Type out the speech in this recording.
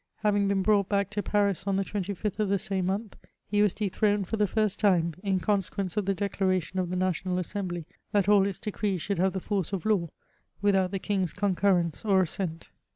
Having been bnmght badk to Paris on the 25th of the same mcmth, he was dethroned fi>r the first time, in consequence of the declaration of the Nadonal Assembly, that all its decrees should have the force of law, without tiie king's concurrence or assent.